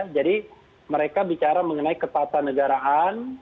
jadi mereka bicara mengenai ketatanegaraan